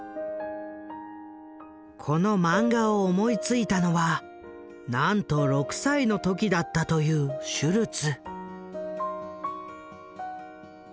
このマンガを思いついたのはなんと６歳の時だったというシュルツ。